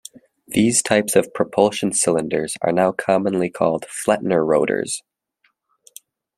These types of propulsion cylinders are now commonly called Flettner rotors.